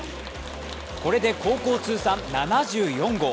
これで高校通算７４号。